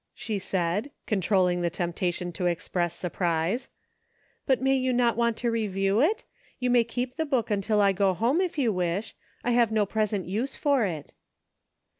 " she said, controlling the temptation to express surprise ; "but may you not want to review it ? You may keep the book until I go home if you wish; I have no present use for it."